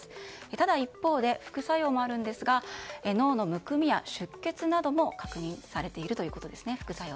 ただ一方で副作用もあるんですが脳のむくみや出血なども確認されているということです。